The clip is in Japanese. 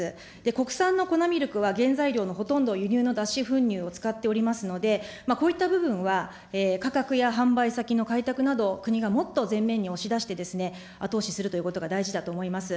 国産の粉ミルクは、原材料のほとんどを輸入の脱脂粉乳を使っておりますので、こういった部分は価格や販売先の開拓など、国がもっと前面に押し出して、後押しするということが大事だと思います。